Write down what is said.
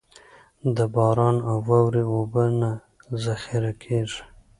د باران او واورې اوبه نه ذخېره کېږي.